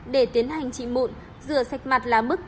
để tiến hành trị mụn rửa sạch mặt là mức